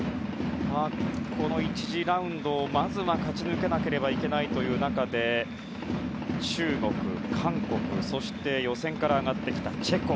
この１次ラウンド、まずは勝ち抜けなければいけない中で中国、韓国、そして予選から上がってきたチェコ。